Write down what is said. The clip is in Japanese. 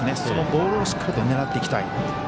そのボールをしっかりと狙っていきたい。